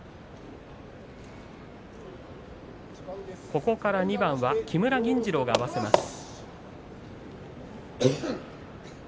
ここから２番は木村銀治郎が合わせます。